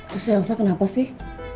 terus elsa kenapa sih